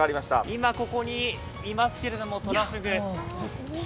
今ここにいますけれども、とらふぐ。